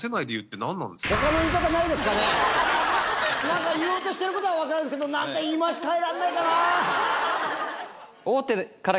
なんか言おうとしてる事はわかるんですけどなんか言い回し変えらんないかなあ。